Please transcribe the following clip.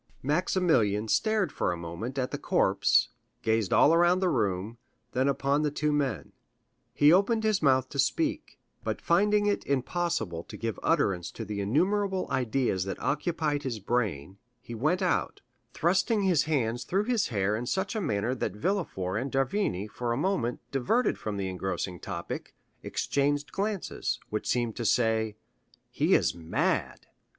Maximilian stared for a moment at the corpse, gazed all around the room, then upon the two men; he opened his mouth to speak, but finding it impossible to give utterance to the innumerable ideas that occupied his brain, he went out, thrusting his hands through his hair in such a manner that Villefort and d'Avrigny, for a moment diverted from the engrossing topic, exchanged glances, which seemed to say,—"He is mad!"